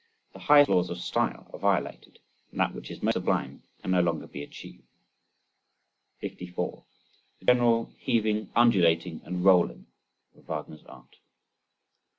The highest laws of style are violated, and that which is most sublime can no longer be achieved. 54. The general heaving, undulating and rolling of Wagner's art.